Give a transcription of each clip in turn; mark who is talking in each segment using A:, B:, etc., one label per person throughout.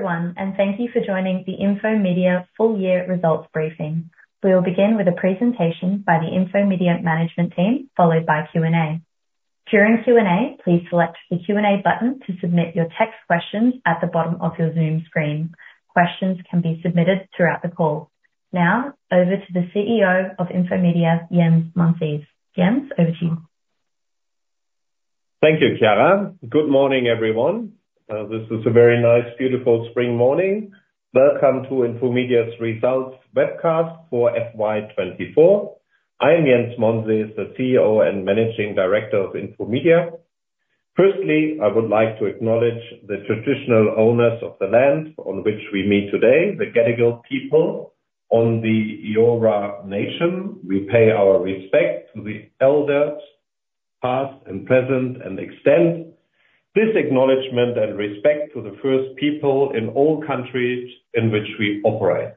A: Hello, everyone, and thank you for joining the Infomedia full year results briefing. We will begin with a presentation by the Infomedia management team, followed by Q&A. During Q&A, please select the Q&A button to submit your text questions at the bottom of your Zoom screen. Questions can be submitted throughout the call. Now, over to the CEO of Infomedia, Jens Monsees. Jens, over to you.
B: Thank you, Kiara. Good morning, everyone. This is a very nice, beautiful spring morning. Welcome to Infomedia's results webcast for FY twenty-four. I'm Jens Monsees, the CEO and Managing Director of Infomedia. Firstly, I would like to acknowledge the traditional owners of the land on which we meet today, the Gadigal people on the Eora Nation. We pay our respect to the elders, past and present, and extend this acknowledgment and respect to the First People in all countries in which we operate.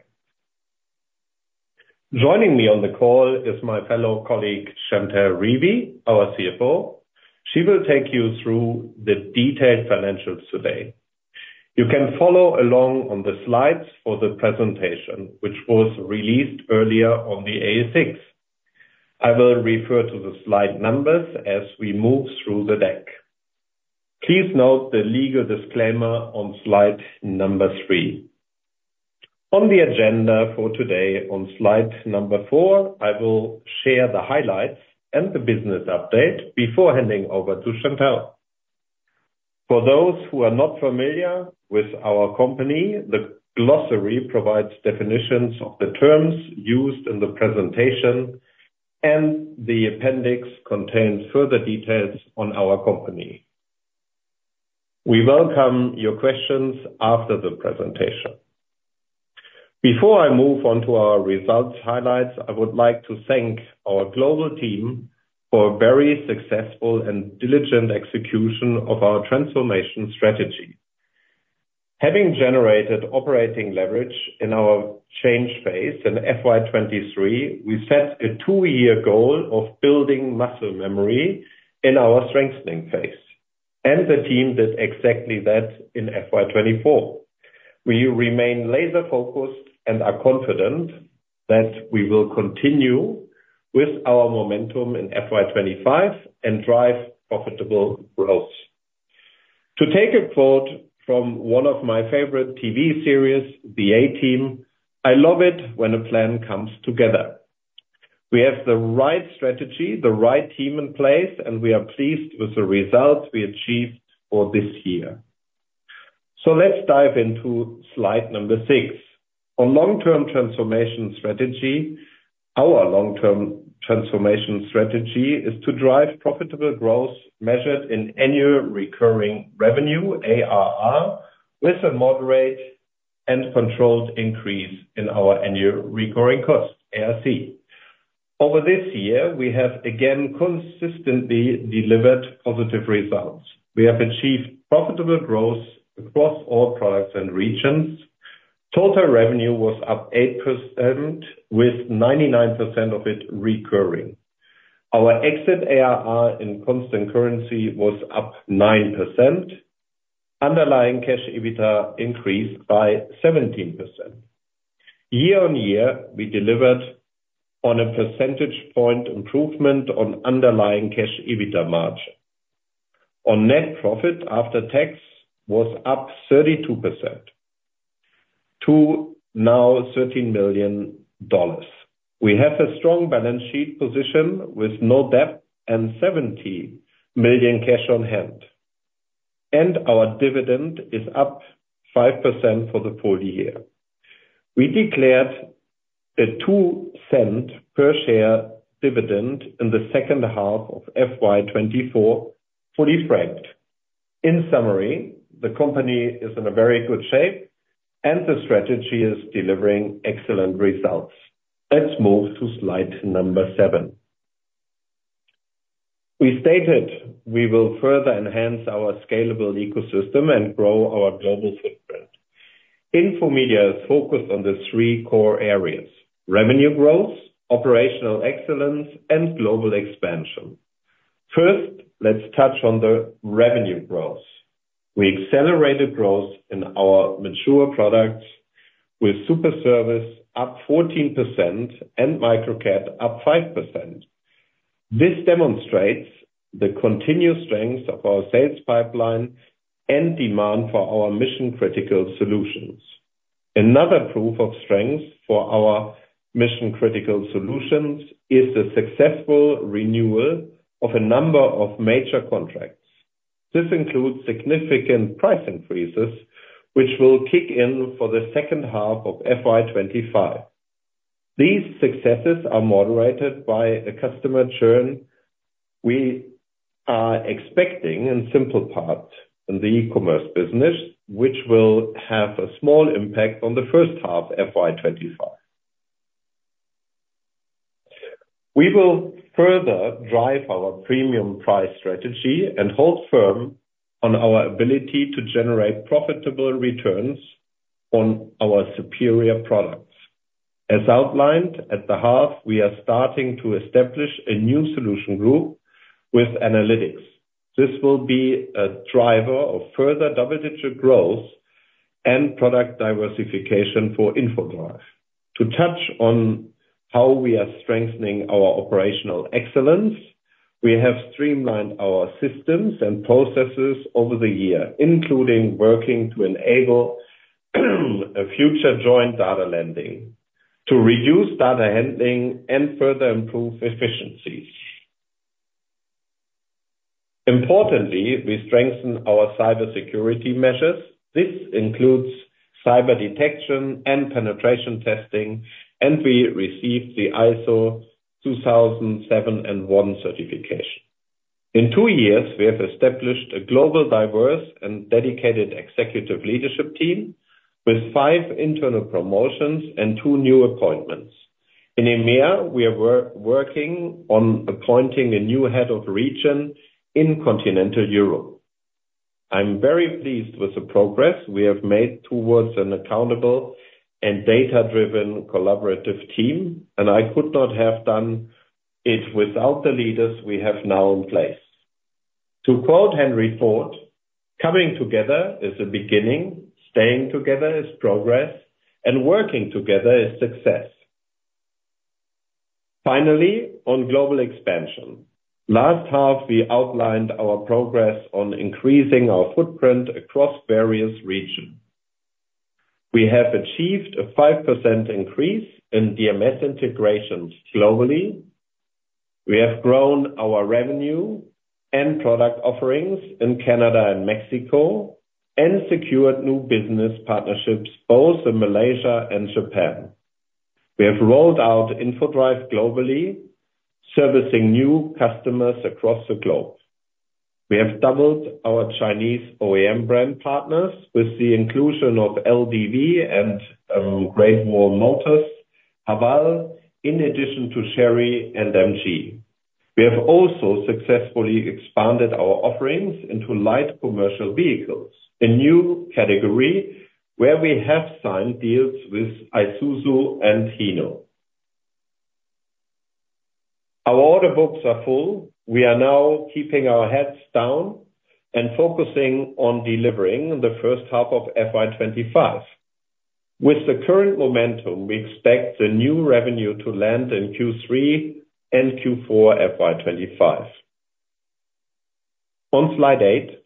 B: Joining me on the call is my fellow colleague, Chantell Revie, our CFO. She will take you through the detailed financials today. You can follow along on the slides for the presentation, which was released earlier on the ASX. I will refer to the slide numbers as we move through the deck. Please note the legal disclaimer on slide number three. On the agenda for today, on slide number four, I will share the highlights and the business update before handing over to Chantell. For those who are not familiar with our company, the glossary provides definitions of the terms used in the presentation, and the appendix contains further details on our company. We welcome your questions after the presentation. Before I move on to our results highlights, I would like to thank our global team for a very successful and diligent execution of our transformation strategy. Having generated operating leverage in our change phase in FY23, we set a two-year goal of building muscle memory in our strengthening phase, and the team did exactly that in FY24. We remain laser-focused and are confident that we will continue with our momentum in FY25 and drive profitable growth. To take a quote from one of my favorite TV series, The A-Team: "I love it when a plan comes together." We have the right strategy, the right team in place, and we are pleased with the results we achieved for this year. So let's dive into slide number 6. On long-term transformation strategy, our long-term transformation strategy is to drive profitable growth measured in annual recurring revenue, ARR, with a moderate and controlled increase in our annual recurring costs, ARC. Over this year, we have again consistently delivered positive results. We have achieved profitable growth across all products and regions. Total revenue was up 8%, with 99% of it recurring. Our exit ARR in constant currency was up 9%. Underlying cash EBITDA increased by 17%. Year on year, we delivered on a percentage point improvement on underlying cash EBITDA margin. Our net profit after tax was up 32% to 13 million dollars. We have a strong balance sheet position with no debt and 70 million cash on hand, and our dividend is up 5% for the full year. We declared a 0.02 per share dividend in the second half of FY24, fully franked. In summary, the company is in a very good shape, and the strategy is delivering excellent results. Let's move to slide number 7. We stated we will further enhance our scalable ecosystem and grow our global footprint. Infomedia is focused on the three core areas: revenue growth, operational excellence, and global expansion. First, let's touch on the revenue growth. We accelerated growth in our mature products with SuperService up 14% and Microcat up 5%. This demonstrates the continued strength of our sales pipeline and demand for our mission-critical solutions. Another proof of strength for our mission-critical solutions is the successful renewal of a number of major contracts. This includes significant price increases, which will kick in for the second half of FY25. These successes are moderated by a customer churn. We are expecting, in SimplePart, in the e-commerce business, which will have a small impact on the first half, FY25. We will further drive our premium price strategy and hold firm on our ability to generate profitable returns on our superior products. As outlined at the half, we are starting to establish a new solution group with analytics. This will be a driver of further double-digit growth and product diversification for InfoDrive. To touch on how we are strengthening our operational excellence, we have streamlined our systems and processes over the year, including working to enable a future joint data landing, to reduce data handling and further improve efficiencies. Importantly, we strengthen our cybersecurity measures. This includes cyber detection and penetration testing, and we received the ISO 27001 certification. In two years, we have established a global, diverse, and dedicated executive leadership team with five internal promotions and two new appointments. In EMEA, we are working on appointing a new head of region in Continental Europe. I'm very pleased with the progress we have made towards an accountable and data-driven collaborative team, and I could not have done it without the leaders we have now in place. To quote Henry Ford, "Coming together is a beginning, staying together is progress, and working together is success." Finally, on global expansion. Last half, we outlined our progress on increasing our footprint across various region. We have achieved a 5% increase in DMS integrations globally. We have grown our revenue and product offerings in Canada and Mexico, and secured new business partnerships, both in Malaysia and Japan. We have rolled out InfoDrive globally, servicing new customers across the globe. We have doubled our Chinese OEM brand partners with the inclusion of LDV and Great Wall Motors, Haval, in addition to Chery and MG. We have also successfully expanded our offerings into light commercial vehicles, a new category where we have signed deals with Isuzu and Hino. Our order books are full. We are now keeping our heads down and focusing on delivering the first half of FY25. With the current momentum, we expect the new revenue to land in Q3 and Q4 FY25. On slide eight,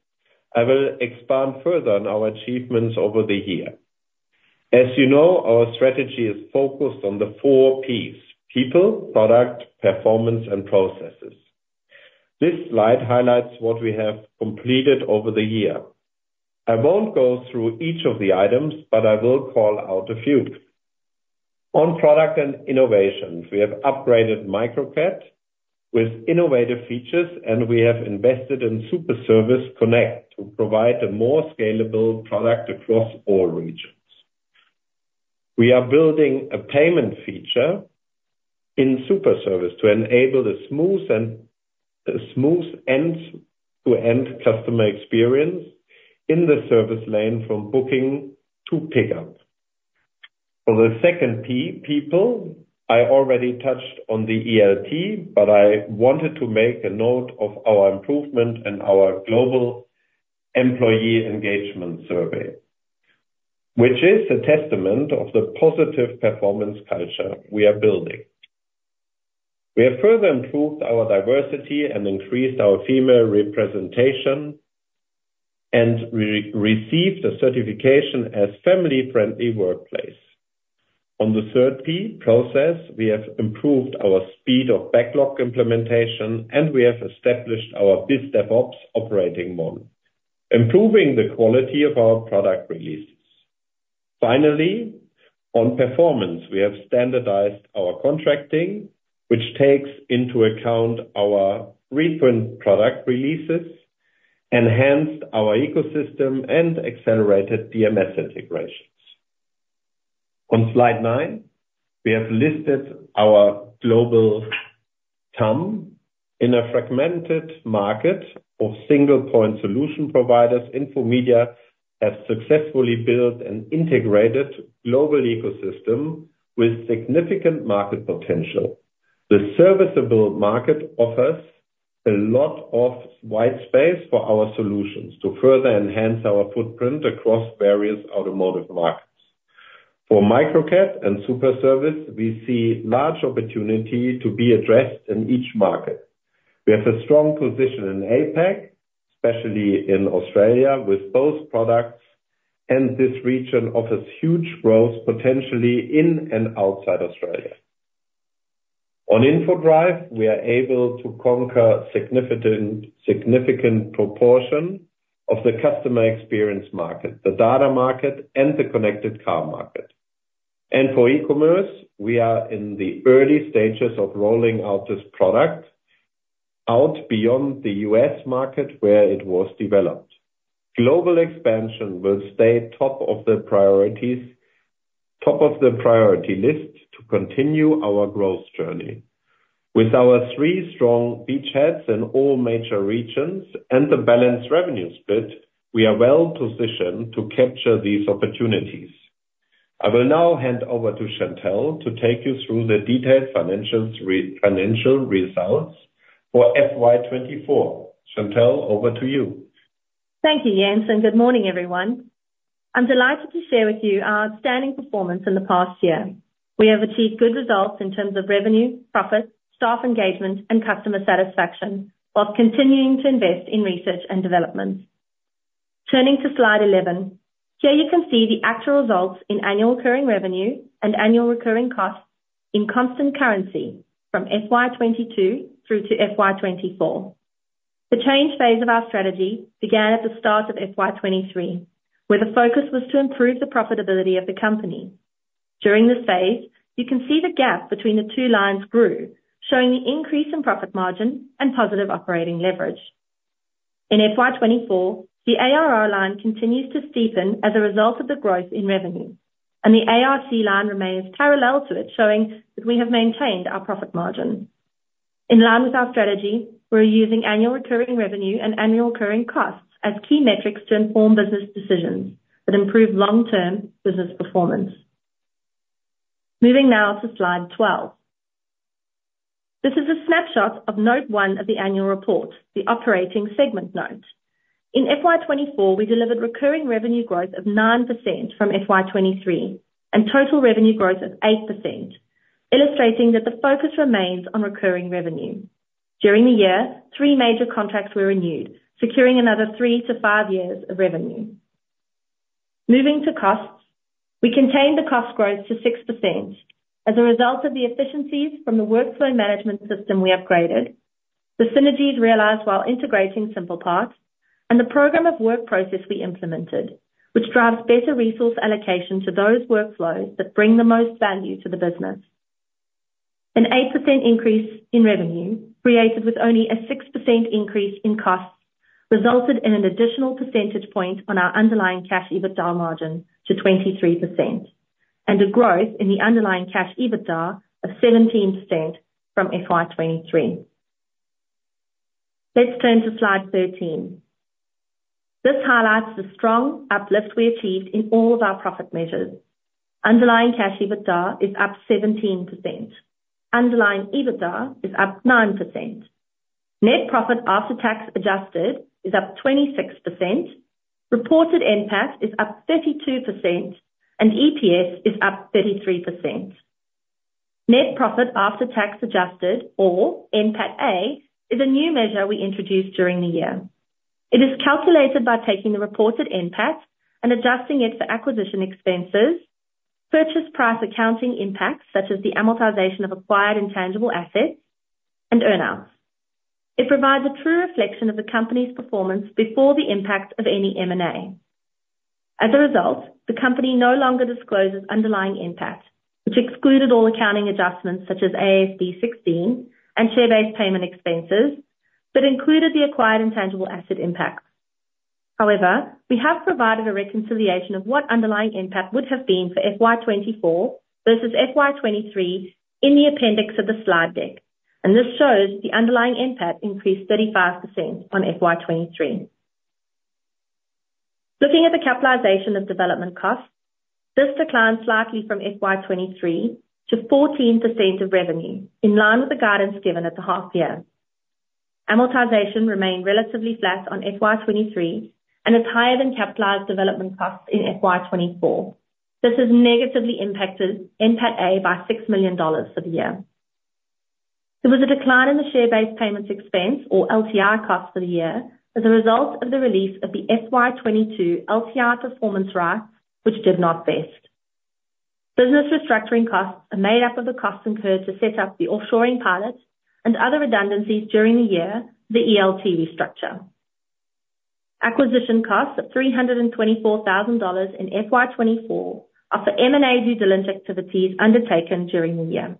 B: I will expand further on our achievements over the year. As you know, our strategy is focused on the four Ps: people, product, performance, and processes. This slide highlights what we have completed over the year. I won't go through each of the items, but I will call out a few. On product and innovations, we have upgraded Microcat with innovative features, and we have invested in SuperService Connect to provide a more scalable product across all regions. We are building a payment feature in SuperService to enable a smooth end-to-end customer experience in the service lane from booking to pickup. For the second P, people, I already touched on the ELT, but I wanted to make a note of our improvement in our global employee engagement survey, which is a testament to the positive performance culture we are building. We have further improved our diversity and increased our female representation, and received a certification as family-friendly workplace. On the third P, process, we have improved our speed of backlog implementation, and we have established our BizDevOps operating model, improving the quality of our product releases. Finally, on performance, we have standardized our contracting, which takes into account our frequent product releases, enhanced our ecosystem, and accelerated DMS integrations. On Slide nine, we have listed our global TAM. In a fragmented market of single-point solution providers, Infomedia has successfully built an integrated global ecosystem with significant market potential. The serviceable market offers a lot of white space for our solutions to further enhance our footprint across various automotive markets. For Microcat and SuperService, we see large opportunity to be addressed in each market. We have a strong position in APAC, especially in Australia, with both products, and this region offers huge growth, potentially in and outside Australia. On InfoDrive, we are able to conquer significant proportion of the customer experience market, the data market, and the connected car market. For e-commerce, we are in the early stages of rolling out this product beyond the US market, where it was developed. Global expansion will stay top of the priority list to continue our growth journey. With our three strong beachheads in all major regions and the balanced revenue split, we are well positioned to capture these opportunities. I will now hand over to Chantell to take you through the detailed financial results for FY24. Chantell, over to you.
C: Thank you, Jens, and good morning, everyone. I'm delighted to share with you our outstanding performance in the past year. We have achieved good results in terms of revenue, profit, staff engagement, and customer satisfaction, while continuing to invest in research and development. Turning to slide eleven, here you can see the actual results in annual recurring revenue and annual recurring costs in constant currency from FY22 through to FY24. The change phase of our strategy began at the start of FY23, where the focus was to improve the profitability of the company. During this phase, you can see the gap between the two lines grew, showing the increase in profit margin and positive operating leverage. In FY24, the ARR line continues to steepen as a result of the growth in revenue, and the ARC line remains parallel to it, showing that we have maintained our profit margin. In line with our strategy, we're using annual recurring revenue and annual recurring costs as key metrics to inform business decisions that improve long-term business performance. Moving now to slide twelve. This is a snapshot of note one of the annual report, the operating segment note. In FY24, we delivered recurring revenue growth of 9% from FY23, and total revenue growth of 8%, illustrating that the focus remains on recurring revenue. During the year, three major contracts were renewed, securing another three to five years of revenue. Moving to costs, we contained the cost growth to 6% as a result of the efficiencies from the workflow management system we upgraded, the synergies realized while integrating SimplePart, and the program of work process we implemented, which drives better resource allocation to those workflows that bring the most value to the business. An 8% increase in revenue, created with only a 6% increase in costs, resulted in an additional percentage point on our underlying cash EBITDA margin to 23%, and a growth in the underlying cash EBITDA of 17% from FY23. Let's turn to slide 13. This highlights the strong uplift we achieved in all of our profit measures. Underlying cash EBITDA is up 17%. Underlying EBITDA is up 9%. Net profit after tax adjusted is up 26%, reported NPAT is up 32%, and EPS is up 33%. Net profit after tax adjusted, or NPAT A, is a new measure we introduced during the year. It is calculated by taking the reported NPAT and adjusting it for acquisition expenses, purchase price, accounting impacts, such as the amortization of acquired intangible assets and earnouts. It provides a true reflection of the company's performance before the impact of any M&A. As a result, the company no longer discloses underlying NPAT, which excluded all accounting adjustments, such as AASB 16 and share-based payment expenses, but included the acquired intangible asset impact. However, we have provided a reconciliation of what underlying NPAT would have been for FY24 versus FY23 in the appendix of the slide deck, and this shows the underlying NPAT increased 35% on FY23. Looking at the capitalization of development costs, this declined slightly from FY23 to 14% of revenue, in line with the guidance given at the half year. Amortization remained relatively flat on FY23 and is higher than capitalized development costs in FY24. This has negatively impacted NPAT A by 6 million dollars for the year. There was a decline in the share-based payments expense, or LTI costs for the year, as a result of the release of the FY22 LTI performance rights, which did not vest. Business restructuring costs are made up of the costs incurred to set up the offshoring pilots and other redundancies during the year, the ELT restructure. Acquisition costs of 324,000 dollars in FY24 are for M&A due diligence activities undertaken during the year.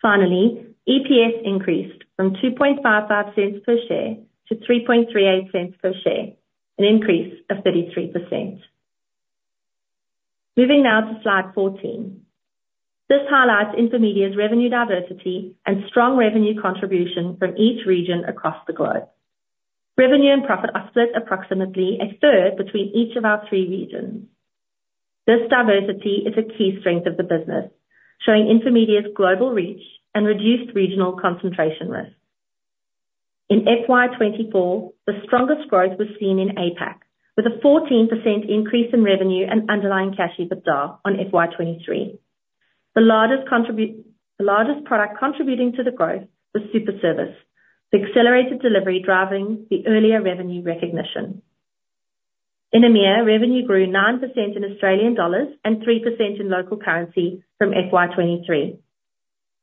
C: Finally, EPS increased from 2.55 cents per share to 3.38 cents per share, an increase of 33%. Moving now to slide 14. This highlights Infomedia's revenue diversity and strong revenue contribution from each region across the globe. Revenue and profit are split approximately a third between each of our three regions. This diversity is a key strength of the business, showing Infomedia's global reach and reduced regional concentration risk. In FY24, the strongest growth was seen in APAC, with a 14% increase in revenue and underlying cash EBITDA on FY23. The largest product contributing to the growth was SuperService, the accelerated delivery driving the earlier revenue recognition. In EMEA, revenue grew 9% in AUD and 3% in local currency from FY23.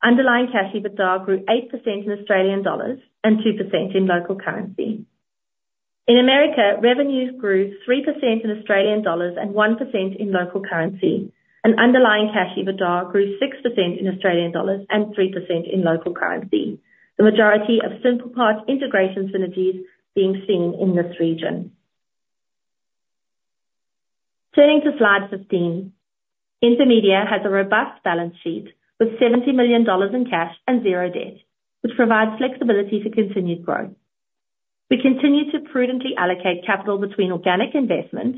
C: Underlying cash EBITDA grew 8% in Australian dollars and 2% in local currency. In America, revenues grew 3% in Australian dollars and 1% in local currency, and underlying cash EBITDA grew 6% in Australian dollars and 3% in local currency. The majority of SimplePart integration synergies being seen in this region. Turning to slide 15, Infomedia has a robust balance sheet with 70 million dollars in cash and zero debt, which provides flexibility for continued growth. We continue to prudently allocate capital between organic investment,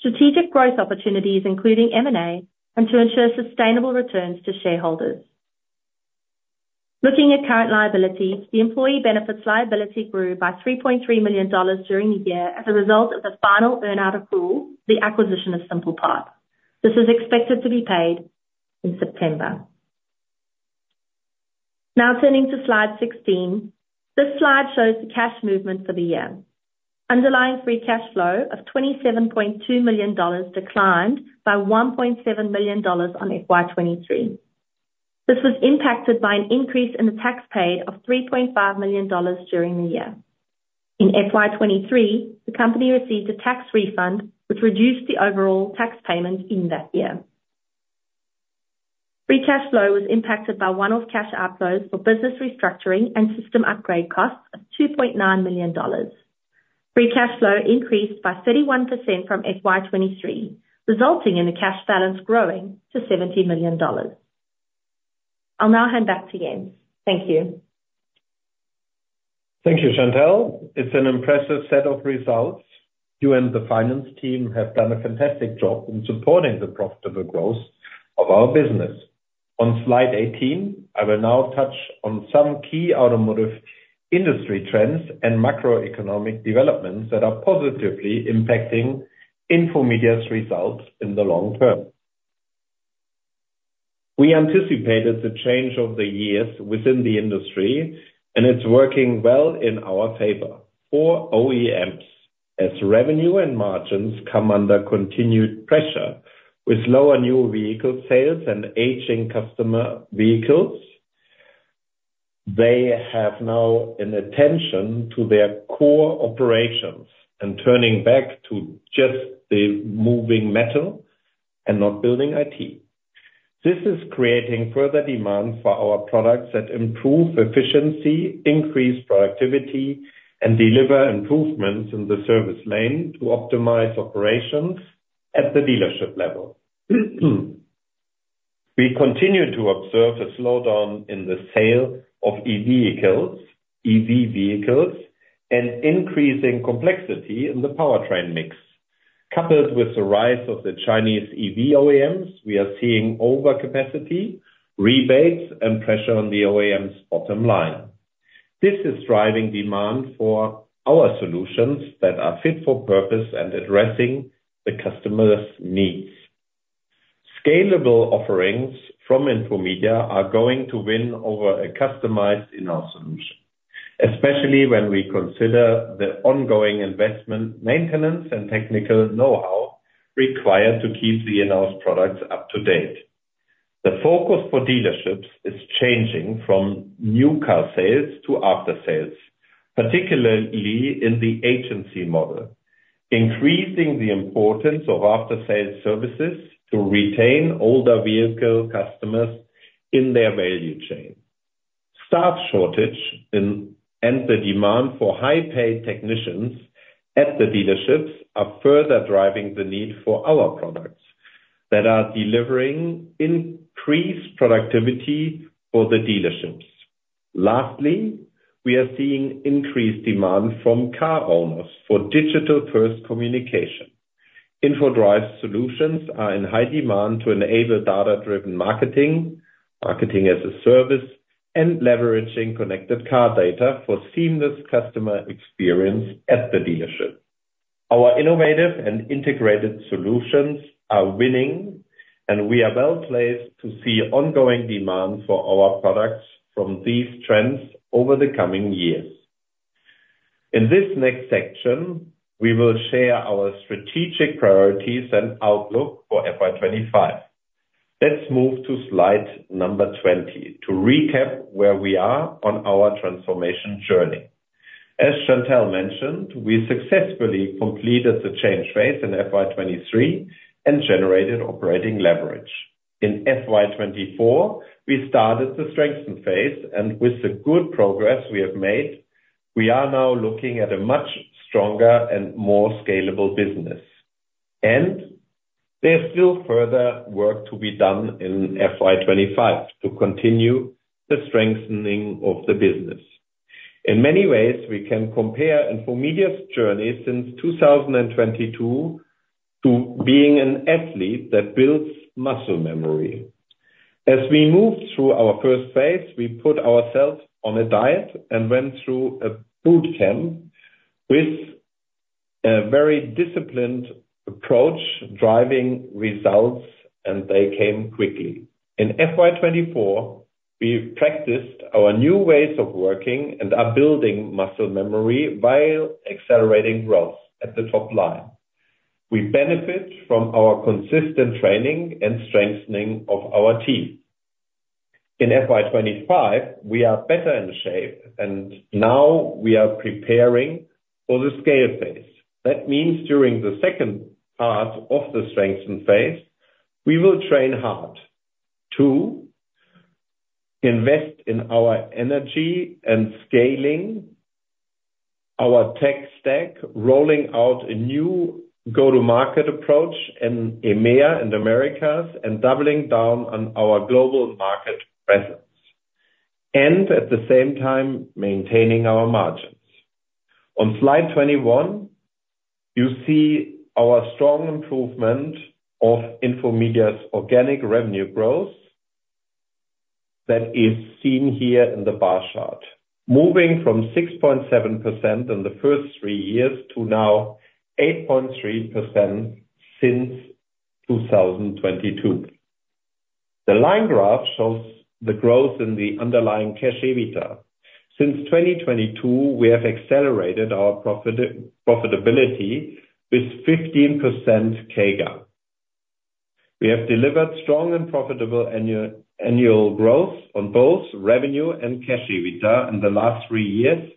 C: strategic growth opportunities, including M&A, and to ensure sustainable returns to shareholders. Looking at current liabilities, the employee benefits liability grew by 3.3 million dollars during the year as a result of the final earn-out for the acquisition of SimplePart. This is expected to be paid in September. Now turning to slide 16. This slide shows the cash movement for the year. Underlying free cash flow of $27.2 million declined by $1.7 million on FY23. This was impacted by an increase in the tax paid of $3.5 million during the year. In FY23, the company received a tax refund, which reduced the overall tax payment in that year. Free cash flow was impacted by one-off cash outflows for business restructuring and system upgrade costs of $2.9 million. Free cash flow increased by 31% from FY23, resulting in the cash balance growing to $70 million. I'll now hand back to Jens. Thank you.
B: Thank you, Chantell. It's an impressive set of results. You and the finance team have done a fantastic job in supporting the profitable growth of our business. On slide 18, I will now touch on some key automotive industry trends and macroeconomic developments that are positively impacting Infomedia's results in the long term. We anticipated the change over the years within the industry, and it's working well in our favor. For OEMs, as revenue and margins come under continued pressure, with lower new vehicle sales and aging customer vehicles, they have now an attention to their core operations and turning back to just the moving metal and not building IT. This is creating further demand for our products that improve efficiency, increase productivity, and deliver improvements in the service lane to optimize operations at the dealership level. We continue to observe a slowdown in the sale of e-vehicles, EV vehicles, and increasing complexity in the powertrain mix. Coupled with the rise of the Chinese EV OEMs, we are seeing overcapacity, rebates, and pressure on the OEM's bottom line. This is driving demand for our solutions that are fit for purpose and addressing the customer's needs. Scalable offerings from Infomedia are going to win over a customized in-house solution, especially when we consider the ongoing investment, maintenance, and technical know-how required to keep the in-house products up to date. The focus for dealerships is changing from new car sales to aftersales, particularly in the agency model, increasing the importance of aftersales services to retain older vehicle customers in their value chain. Staff shortage and the demand for high-paid technicians at the dealerships are further driving the need for our products that are delivering increased productivity for the dealerships. Lastly, we are seeing increased demand from car owners for digital-first communication. InfoDrive solutions are in high demand to enable data-driven marketing, marketing-as-a-service, and leveraging connected car data for seamless customer experience at the dealership. Our innovative and integrated solutions are winning, and we are well placed to see ongoing demand for our products from these trends over the coming years. In this next section, we will share our strategic priorities and outlook for FY25. Let's move to slide number 20 to recap where we are on our transformation journey. As Chantell mentioned, we successfully completed the change phase in FY23 and generated operating leverage. In FY24, we started the strengthen phase, and with the good progress we have made, we are now looking at a much stronger and more scalable business. And there's still further work to be done in FY25 to continue the strengthening of the business. In many ways, we can compare Infomedia's journey since 2022 to being an athlete that builds muscle memory. As we moved through our first phase, we put ourselves on a diet and went through a boot camp with a very disciplined approach, driving results, and they came quickly. In FY24, we've practiced our new ways of working and are building muscle memory while accelerating growth at the top line. We benefit from our consistent training and strengthening of our team. In FY25, we are better in shape, and now we are preparing for the scale phase. That means during the second part of the strengthen phase, we will train hard to invest in our energy and scaling our tech stack, rolling out a new go-to-market approach in EMEA and Americas, and doubling down on our global market presence, and at the same time, maintaining our margins. On slide 21, you see our strong improvement of Infomedia's organic revenue growth that is seen here in the bar chart, moving from 6.7% in the first three years to now 8.3% since 2022. The line graph shows the growth in the underlying cash EBITDA. Since 2022, we have accelerated our profitability with 15% CAGR. We have delivered strong and profitable annual growth on both revenue and cash EBITDA in the last three years,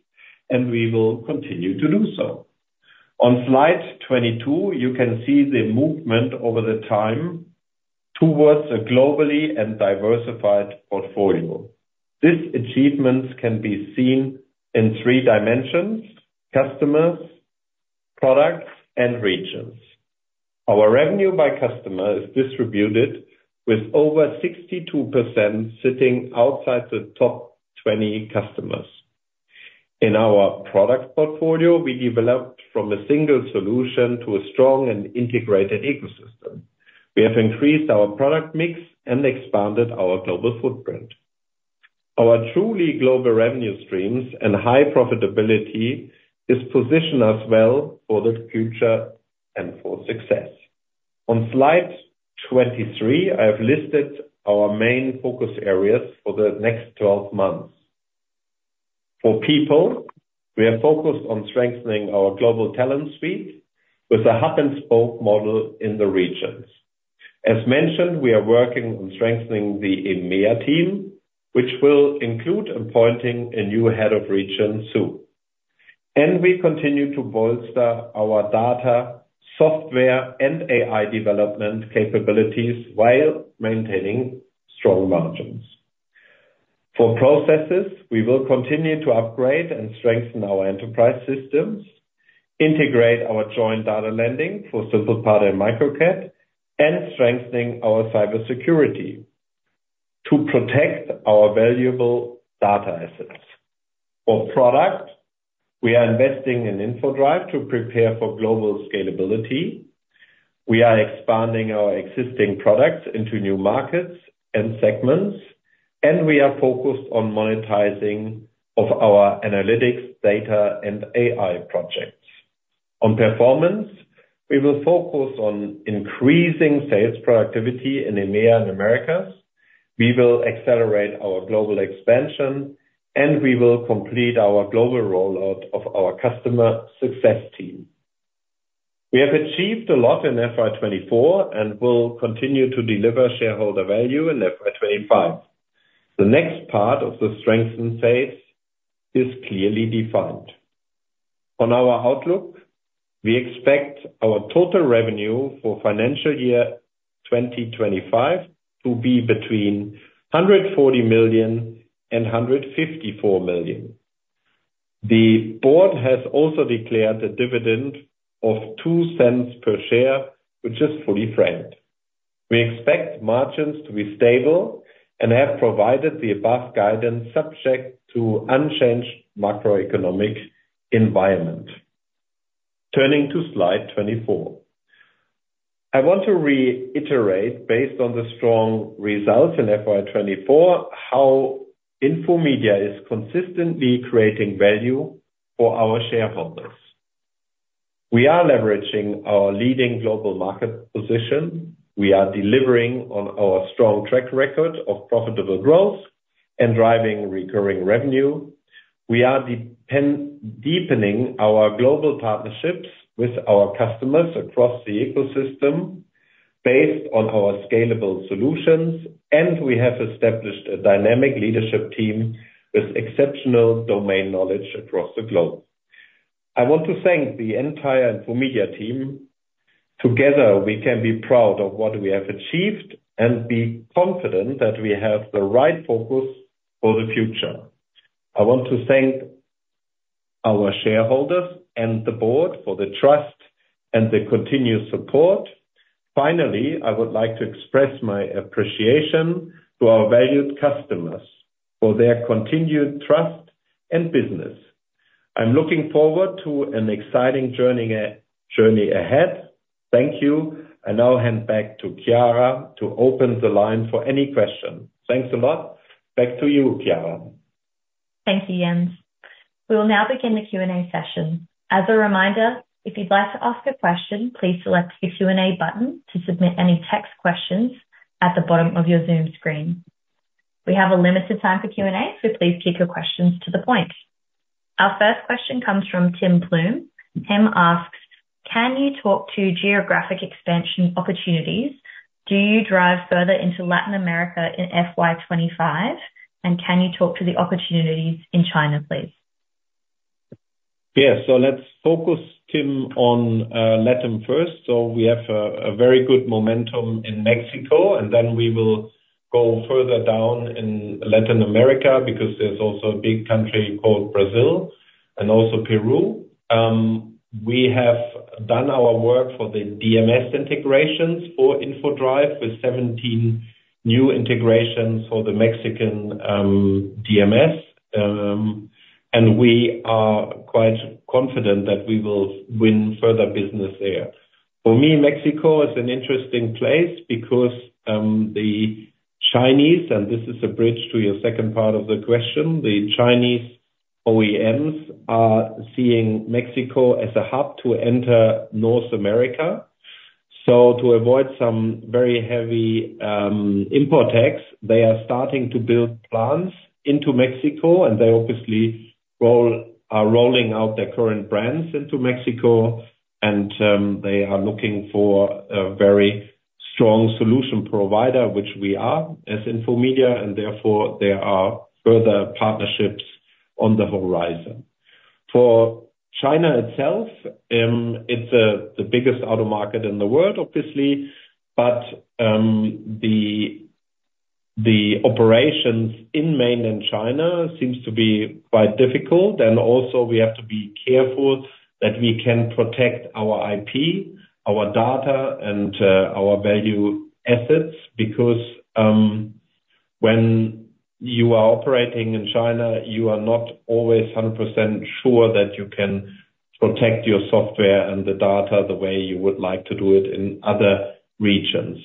B: and we will continue to do so. On slide 22, you can see the movement over time towards a global and diversified portfolio. These achievements can be seen in three dimensions: customers, products, and regions. Our revenue by customer is distributed with over 62% sitting outside the top 20 customers. In our product portfolio, we developed from a single solution to a strong and integrated ecosystem. We have increased our product mix and expanded our global footprint. Our truly global revenue streams and high profitability has positioned us well for the future and for success. On slide 23, I have listed our main focus areas for the next 12 months. For people, we are focused on strengthening our global talent suite with a hub-and-spoke model in the regions. As mentioned, we are working on strengthening the EMEA team, which will include appointing a new head of region soon. We continue to bolster our data, software, and AI development capabilities while maintaining strong margins. For processes, we will continue to upgrade and strengthen our enterprise systems, integrate our joint data landing for SimplePart and Microcat, and strengthening our cybersecurity to protect our valuable data assets. For product, we are investing in InfoDrive to prepare for global scalability. We are expanding our existing products into new markets and segments, and we are focused on monetizing of our analytics, data, and AI projects. On performance, we will focus on increasing sales productivity in EMEA and Americas, we will accelerate our global expansion, and we will complete our global rollout of our customer success team. We have achieved a lot in FY24 and will continue to deliver shareholder value in FY25. The next part of the strengthen phase is clearly defined. On our outlook, we expect our total revenue for financial year 2025 to be between 140 million and 154 million. The board has also declared a dividend of 0.02 per share, which is fully franked. We expect margins to be stable and have provided the above guidance subject to unchanged macroeconomic environment. Turning to slide 24. I want to reiterate, based on the strong results in FY24, how Infomedia is consistently creating value for our shareholders. We are leveraging our leading global market position. We are delivering on our strong track record of profitable growth and driving recurring revenue. We are deepening our global partnerships with our customers across the ecosystem based on our scalable solutions, and we have established a dynamic leadership team with exceptional domain knowledge across the globe. I want to thank the entire Infomedia team. Together, we can be proud of what we have achieved and be confident that we have the right focus for the future. I want to thank our shareholders and the board for the trust and the continued support. Finally, I would like to express my appreciation to our valued customers for their continued trust and business. I'm looking forward to an exciting journey ahead. Thank you. I now hand back to Kiara to open the line for any questions. Thanks a lot. Back to you, Kiara.
A: Thank you, Jens. We will now begin the Q&A session. As a reminder, if you'd like to ask a question, please select the Q&A button to submit any text questions at the bottom of your Zoom screen. We have a limited time for Q&A, so please keep your questions to the point. Our first question comes from Tim Plumbe. Tim asks: Can you talk to geographic expansion opportunities? Do you drive further into Latin America in FY25? And can you talk to the opportunities in China, please?...
B: Yeah, so let's focus, Tim, on LATAM first. So we have a very good momentum in Mexico, and then we will go further down in Latin America, because there's also a big country called Brazil and also Peru. We have done our work for the DMS integrations for InfoDrive, with 17 new integrations for the Mexican DMS. And we are quite confident that we will win further business there. For me, Mexico is an interesting place because the Chinese, and this is a bridge to your second part of the question, the Chinese OEMs are seeing Mexico as a hub to enter North America. To avoid some very heavy import tax, they are starting to build plants into Mexico, and they obviously are rolling out their current brands into Mexico, and they are looking for a very strong solution provider, which we are, as Infomedia, and therefore, there are further partnerships on the horizon. For China itself, it's the biggest auto market in the world, obviously. But the operations in mainland China seems to be quite difficult. And also, we have to be careful that we can protect our IP, our data, and our value assets. Because when you are operating in China, you are not always 100% sure that you can protect your software and the data the way you would like to do it in other regions.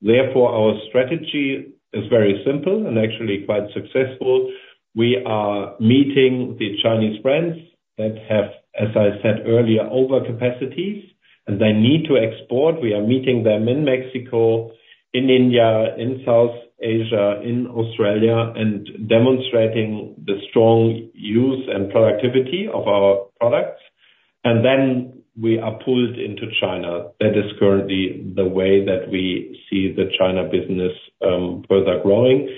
B: Therefore, our strategy is very simple and actually quite successful. We are meeting the Chinese brands that have, as I said earlier, over capacities, and they need to export. We are meeting them in Mexico, in India, in South Asia, in Australia, and demonstrating the strong use and productivity of our products, and then we are pulled into China. That is currently the way that we see the China business further growing.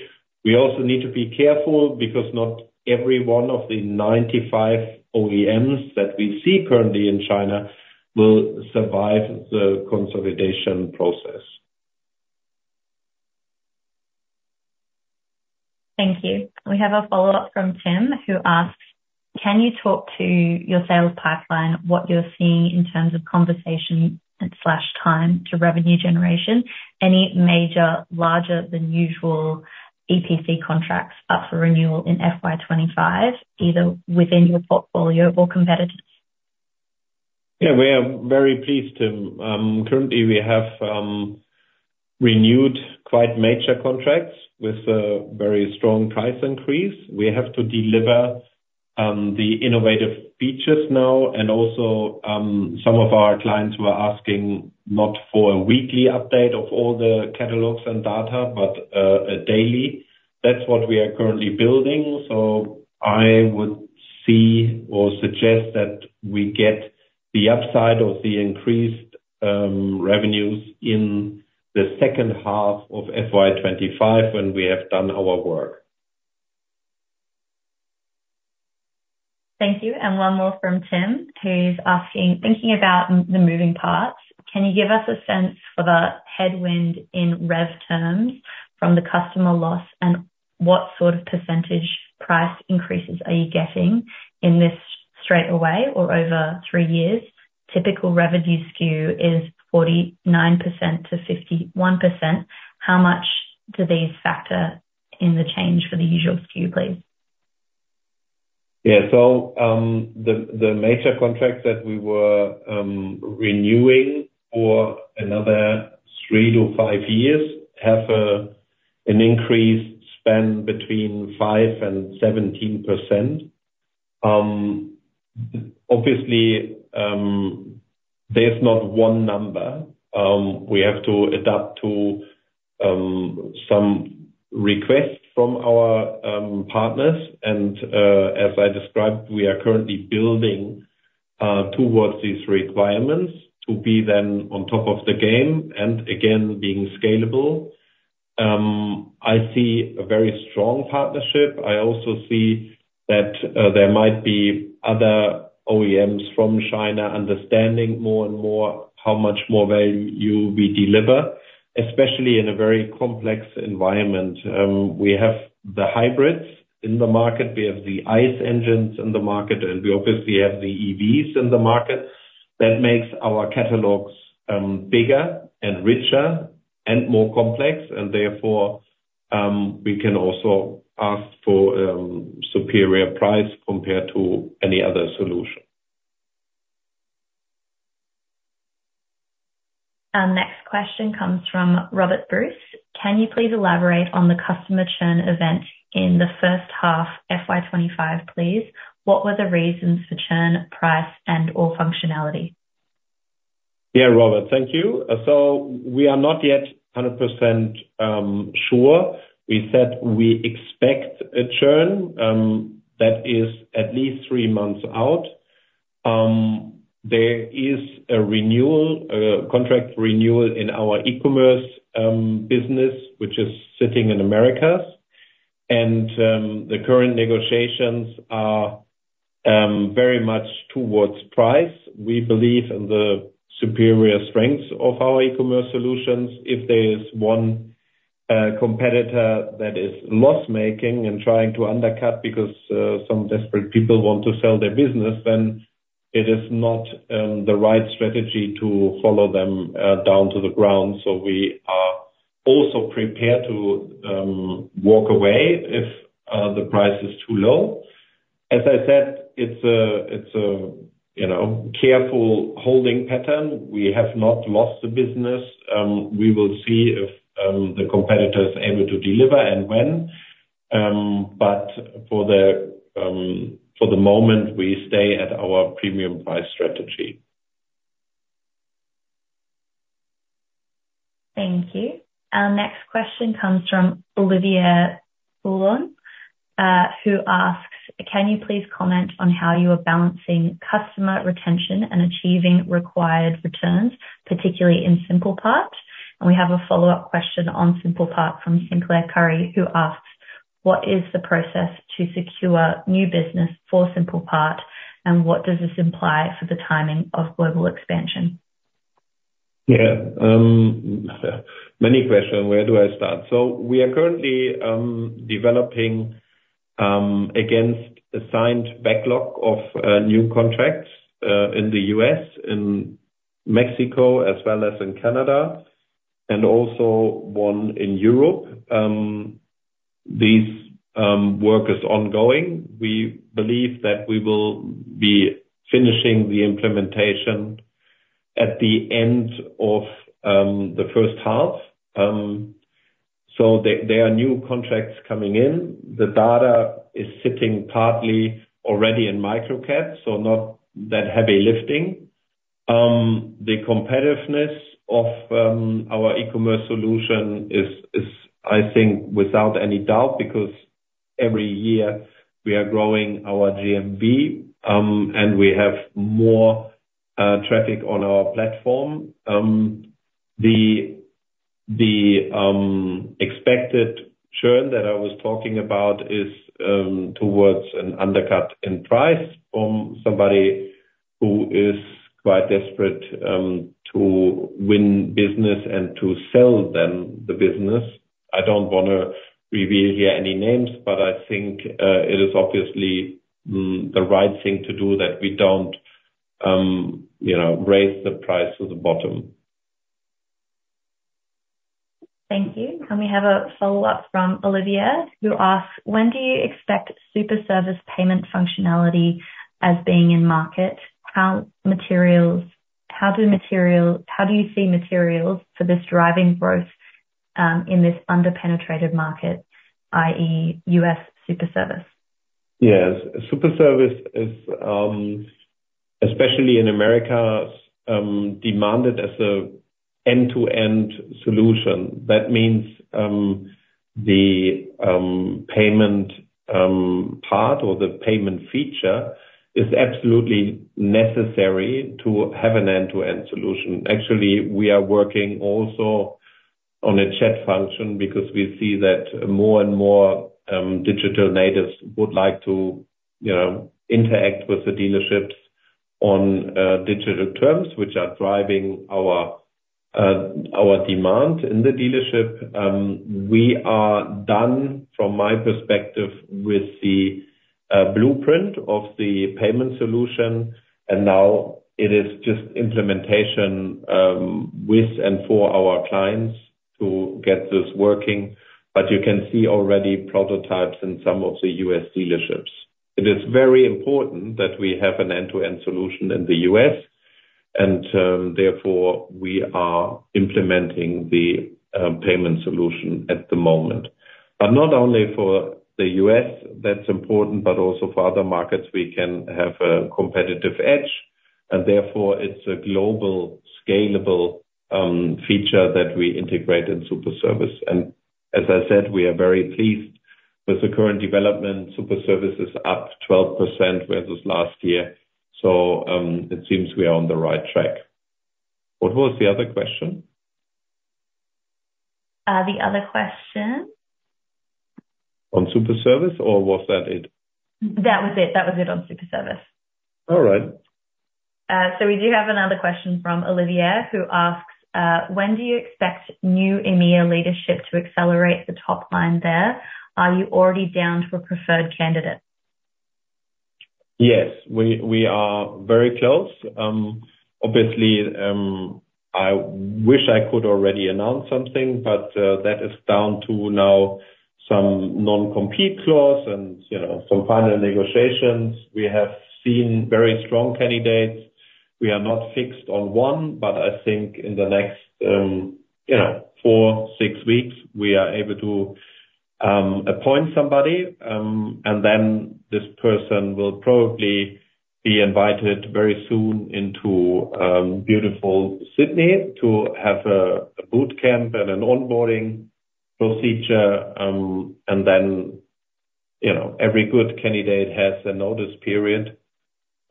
B: We also need to be careful, because not every one of the 95 OEMs that we see currently in China will survive the consolidation process.
A: Thank you. We have a follow-up from Tim, who asks: Can you talk to your sales pipeline, what you're seeing in terms of conversation and slash time to revenue generation? Any major, larger than usual EPC contracts up for renewal in FY25, either within your portfolio or competitors?
B: Yeah, we are very pleased, Tim. Currently, we have renewed quite major contracts with a very strong price increase. We have to deliver the innovative features now, and also, some of our clients were asking not for a weekly update of all the catalogs and data, but a daily. That's what we are currently building. So I would see or suggest that we get the upside of the increased revenues in the second half of FY25, when we have done our work.
A: Thank you. And one more from Tim, who's asking: Thinking about the moving parts, can you give us a sense of a headwind in rev terms from the customer loss? And what sort of percentage price increases are you getting in this straight away or over three years? Typical revenue skew is 49%-51%. How much do these factor in the change for the usual skew, please?
B: Yeah. So the major contracts that we were renewing for another three to five years have an increased spend between 5% and 17%. Obviously, there's not one number. We have to adapt to some requests from our partners, and as I described, we are currently building towards these requirements to be then on top of the game, and again, being scalable. I see a very strong partnership. I also see that there might be other OEMs from China understanding more and more how much more value we deliver, especially in a very complex environment. We have the hybrids in the market, we have the ICE engines in the market, and we obviously have the EVs in the market. That makes our catalogs bigger and richer and more complex, and therefore we can also ask for superior price compared to any other solution.
A: Our next question comes from Robert Bruce. Can you please elaborate on the customer churn event in the first half, FY25, please? What were the reasons for churn, price, and/or functionality?
B: Yeah, Robert, thank you. So we are not yet 100% sure. We said we expect a churn that is at least three months out. There is a renewal, a contract renewal in our e-commerce business, which is sitting in Americas, and the current negotiations are very much towards price. We believe in the superior strengths of our e-commerce solutions. If there is one competitor that is loss-making and trying to undercut because some desperate people want to sell their business, then it is not the right strategy to follow them down to the ground. So we are also prepared to walk away if the price is too low. As I said, it's a, it's a, you know, careful holding pattern. We have not lost the business. We will see if the competitor's able to deliver and when, but for the moment, we stay at our premium price strategy.
A: Thank you. Our next question comes from Olivia Bullen, who asks: Can you please comment on how you are balancing customer retention and achieving required returns, particularly in SimplePart? And we have a follow-up question on SimplePart from Sinclair Currie, who asks: What is the process to secure new business for SimplePart, and what does this imply for the timing of global expansion?
B: Yeah, many questions, where do I start? We are currently developing against assigned backlog of new contracts in the US, in Mexico, as well as in Canada, and also one in Europe. This work is ongoing. We believe that we will be finishing the implementation at the end of the first half. So there are new contracts coming in. The data is sitting partly already in Microcat, so not that heavy lifting. The competitiveness of our e-commerce solution is, I think, without any doubt, because every year we are growing our GMV, and we have more traffic on our platform. The expected churn that I was talking about is towards an undercut in price from somebody who is quite desperate to win business and to sell them the business. I don't wanna reveal here any names, but I think it is obviously the right thing to do, that we don't you know raise the price to the bottom.
A: Thank you. And we have a follow-up from Olivia, who asks: When do you expect SuperService payment functionality as being in market? How do you see materials for this driving growth in this under-penetrated market, i.e., U.S. SuperService?
B: Yes. SuperService is especially in America demanded as a end-to-end solution. That means the payment part or the payment feature is absolutely necessary to have an end-to-end solution. Actually, we are working also on a chat function because we see that more and more digital natives would like to, you know, interact with the dealerships on digital terms, which are driving our demand in the dealership. We are done, from my perspective, with the blueprint of the payment solution, and now it is just implementation with and for our clients to get this working. But you can see already prototypes in some of the U.S. dealerships. It is very important that we have an end-to-end solution in the U.S., and therefore, we are implementing the payment solution at the moment. But not only for the U.S. that's important, but also for other markets, we can have a competitive edge, and therefore it's a global, scalable feature that we integrate in SuperService. And as I said, we are very pleased with the current development. SuperService is up 12% versus last year, so it seems we are on the right track. What was the other question? The other question? On SuperService, or was that it?
A: That was it. That was it on SuperService.
B: All right.
A: So we do have another question from Olivia, who asks: When do you expect new EMEA leadership to accelerate the top line there? Are you already down to a preferred candidate?
B: Yes, we are very close. Obviously, I wish I could already announce something, but that is down to now some non-compete clause and, you know, some final negotiations. We have seen very strong candidates. We are not fixed on one, but I think in the next, you know, four, six weeks, we are able to appoint somebody. And then this person will probably be invited very soon into beautiful Sydney to have a boot camp and an onboarding procedure. And then, you know, every good candidate has a notice period,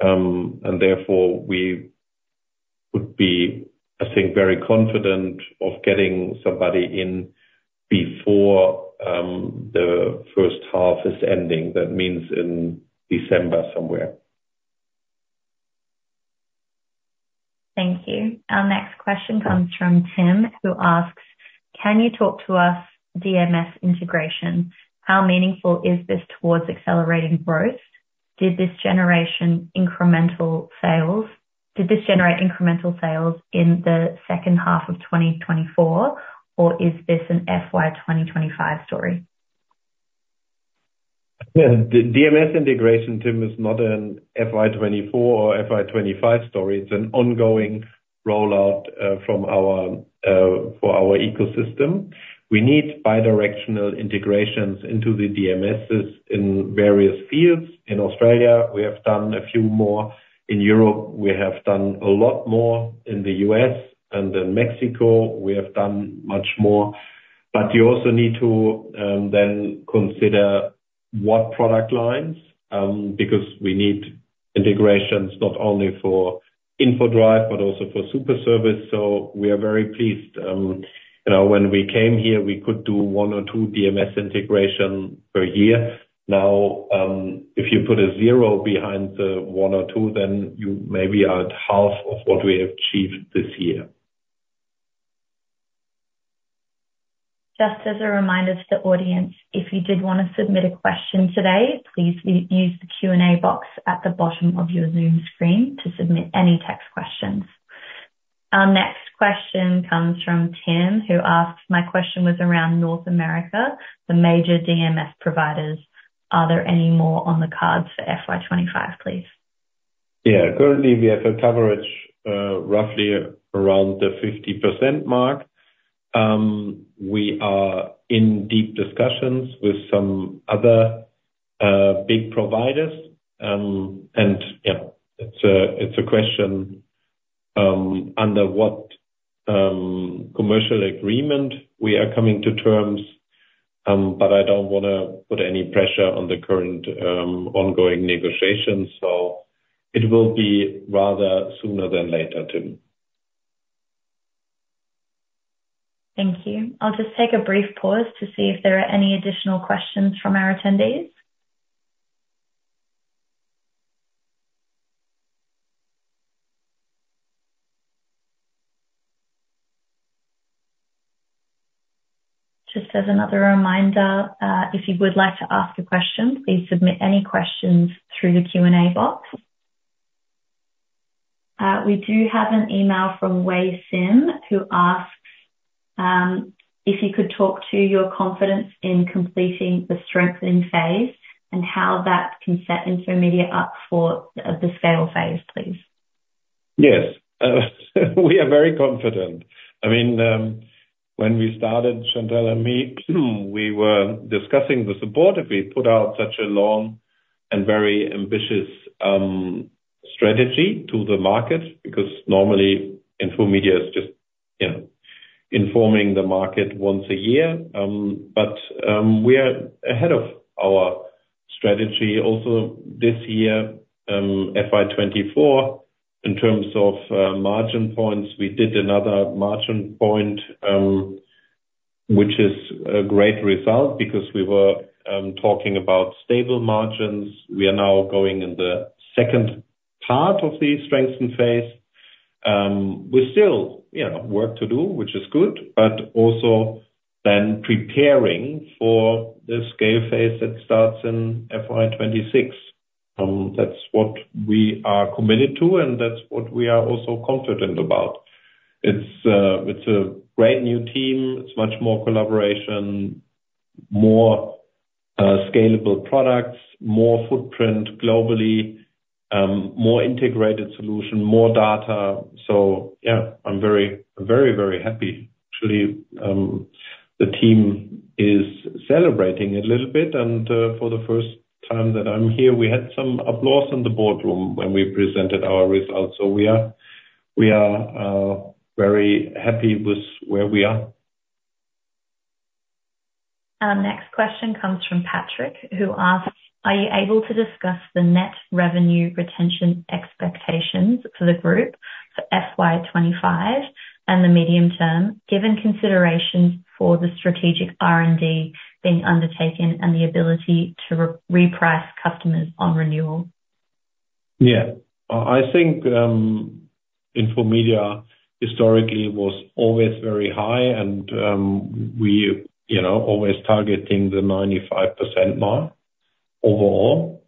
B: and therefore would be, I think, very confident of getting somebody in before the first half is ending. That means in December somewhere.
A: Thank you. Our next question comes from Tim, who asks: "Can you talk to us about DMS integration? How meaningful is this towards accelerating growth? Did this generate incremental sales in the second half of 2024, or is this an FY 2025 story?
B: Yeah, the DMS integration, Tim, is not an FY24 or FY25 story. It's an ongoing rollout for our ecosystem. We need bidirectional integrations into the DMSs in various fields. In Australia, we have done a few more. In Europe, we have done a lot more. In the U.S. and in Mexico, we have done much more. But you also need to then consider what product lines because we need integrations not only for InfoDrive, but also for SuperService. So we are very pleased. You know, when we came here, we could do one or two DMS integration per year. Now, if you put a zero behind the one or two, then you maybe are at half of what we have achieved this year.
A: Just as a reminder to the audience, if you did want to submit a question today, please use the Q&A box at the bottom of your Zoom screen to submit any text questions. Our next question comes from Tim, who asks, "My question was around North America, the major DMS providers. Are there any more on the cards for FY25, please?
B: Yeah. Currently, we have a coverage roughly around the 50% mark. We are in deep discussions with some other big providers. And yeah, it's a question under what commercial agreement we are coming to terms, but I don't wanna put any pressure on the current ongoing negotiations, so it will be rather sooner than later, Tim.
A: Thank you. I'll just take a brief pause to see if there are any additional questions from our attendees. Just as another reminder, if you would like to ask a question, please submit any questions through the Q&A box. We do have an email from Wei Sim, who asks, if you could talk to your confidence in completing the strengthening phase, and how that can set Infomedia up for, the scale phase, please.
B: Yes. We are very confident. I mean, when we started, Chantell and me, we were discussing the support if we put out such a long and very ambitious strategy to the market, because normally, Infomedia is just, you know, informing the market once a year. But, we are ahead of our strategy also this year, FY24, in terms of margin points. We did another margin point, which is a great result, because we were talking about stable margins. We are now going in the second part of the strengthen phase. We still, you know, work to do, which is good, but also then preparing for the scale phase that starts in FY26. That's what we are committed to, and that's what we are also confident about. It's a great new team. It's much more collaboration, more, scalable products, more footprint globally, more integrated solution, more data. So yeah, I'm very, very, very happy. Actually, the team is celebrating a little bit, and, for the first time that I'm here, we had some applause in the boardroom when we presented our results. So we are very happy with where we are.
A: Our next question comes from Patrick, who asks: "Are you able to discuss the net revenue retention expectations for the group for FY25 and the medium term, given consideration for the strategic R&D being undertaken and the ability to reprice customers on renewal?
B: Yeah. I think Infomedia historically was always very high and we, you know, always targeting the 95% mark overall.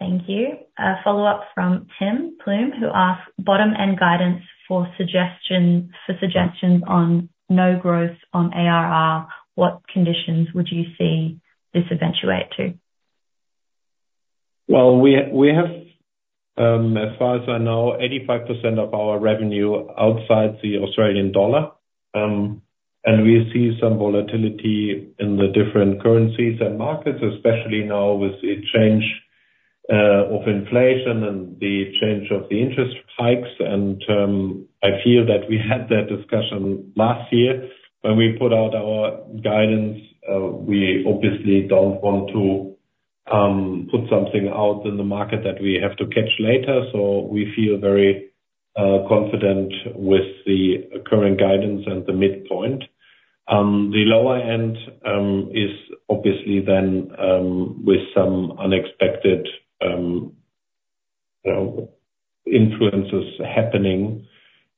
A: Thank you. A follow-up from Tim Plumbe, who asks, "Bottom end guidance for suggestions on no growth on ARR, what conditions would you see this eventuate to?
B: We have, as far as I know, 85% of our revenue outside the Australian dollar, and we see some volatility in the different currencies and markets, especially now with the change of inflation and the change of the interest hikes. I feel that we had that discussion last year when we put out our guidance. We obviously don't want to put something out in the market that we have to catch later, so we feel very confident with the current guidance and the midpoint. The lower end is obviously then with some unexpected, you know, influences happening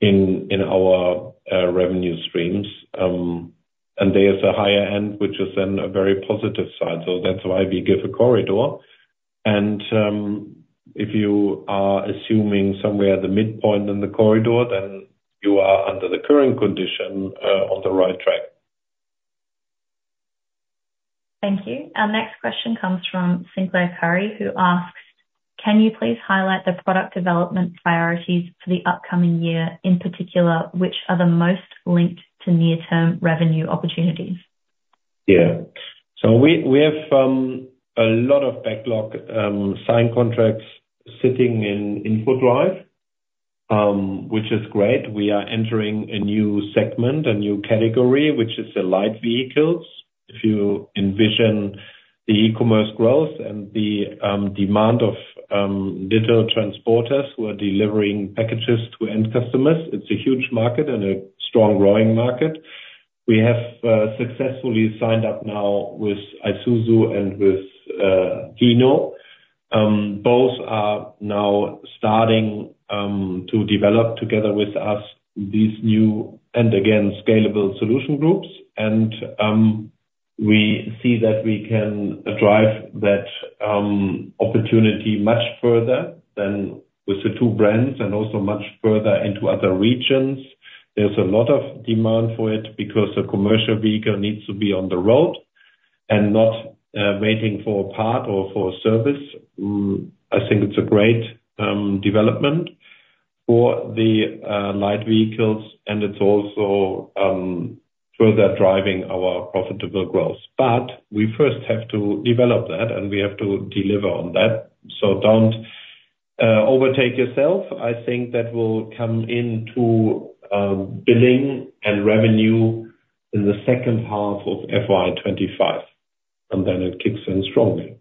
B: in our revenue streams, and there's a higher end, which is then a very positive side, so that's why we give a corridor. If you are assuming somewhere the midpoint in the corridor, then you are under the current condition on the right track.
A: Thank you. Our next question comes from Sinclair Currie, who asks: Can you please highlight the product development priorities for the upcoming year, in particular, which are the most linked to near-term revenue opportunities?
B: Yeah. So we have a lot of backlog, signed contracts sitting in InfoDrive, which is great. We are entering a new segment, a new category, which is the light vehicles. If you envision the e-commerce growth and the demand of digital transporters who are delivering packages to end customers, it's a huge market and a strong growing market. We have successfully signed up now with Isuzu and with Hino. Both are now starting to develop together with us, these new and again, scalable solution groups. And we see that we can drive that opportunity much further than with the two brands and also much further into other regions. There's a lot of demand for it, because the commercial vehicle needs to be on the road and not waiting for a part or for a service. I think it's a great development for the light vehicles, and it's also further driving our profitable growth. But we first have to develop that, and we have to deliver on that, so don't overtake yourself. I think that will come into billing and revenue in the second half o25, and then it kicks in strongly.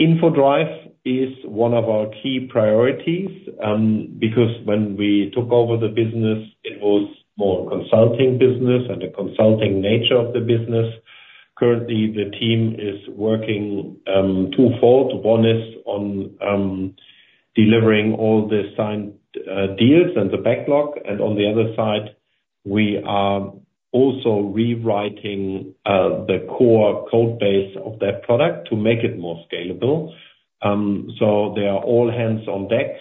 B: InfoDrive is one of our key priorities, because when we took over the business, it was more consulting business and a consulting nature of the business. Currently, the team is working twofold. One is on delivering all the signed deals and the backlog, and on the other side, we are also rewriting the core code base of that product to make it more scalable. So they are all hands on deck.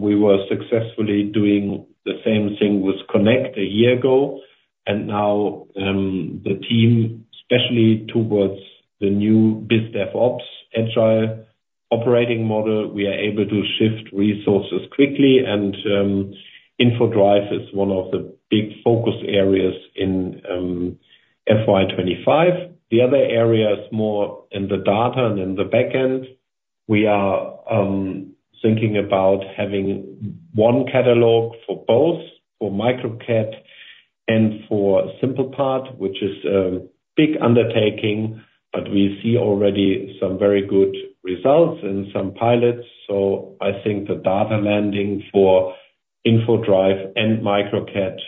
B: We were successfully doing the same thing with Connect a year ago, and now, the team, especially towards the new BizDevOps agile operating model, we are able to shift resources quickly, and, InfoDrive is one of the big focus areas in, FY25. The other area is more in the data and in the back end. We are, thinking about having one catalog for both, for Microcat and for SimplePart, which is a big undertaking, but we see already some very good results and some pilots. So I think the data landing for InfoDrive and Microcat,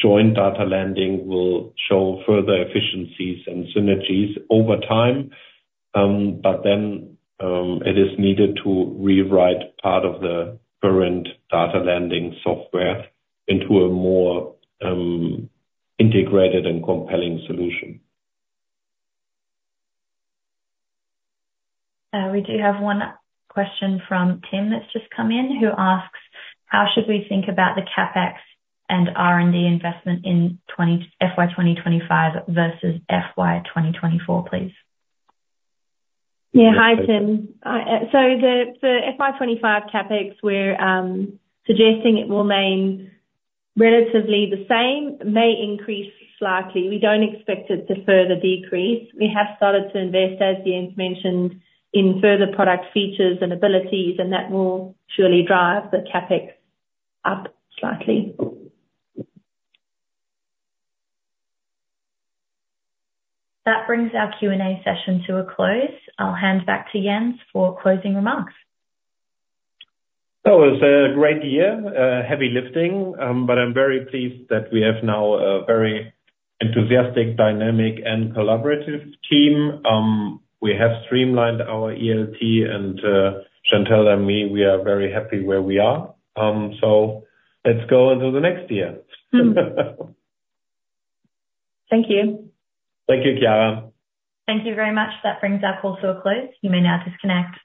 B: joint data landing, will show further efficiencies and synergies over time. But then, it is needed to rewrite part of the current data landing software into a more, integrated and compelling solution.
A: We do have one question from Tim, that's just come in, who asks: How should we think about the CapEx and R&D investment in FY 2025 versus FY 2024, please?
C: Yeah. Hi, Tim. So the FY25 CapEx, we're suggesting it will remain relatively the same, may increase slightly. We don't expect it to further decrease. We have started to invest, as Jens mentioned, in further product features and abilities, and that will surely drive the CapEx up slightly.
A: That brings our Q&A session to a close. I'll hand back to Jens for closing remarks.
B: So it's a great year, heavy lifting, but I'm very pleased that we have now a very enthusiastic, dynamic, and collaborative team. We have streamlined our ELT and, Chantell and me, we are very happy where we are. So let's go into the next year.
A: Thank you.
B: Thank you, Kiara.
A: Thank you very much. That brings our call to a close. You may now disconnect.